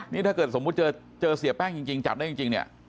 นี่ถ้าเกิดสมมุติเจอเสียแป้งจริงจับได้จริงเนี่ย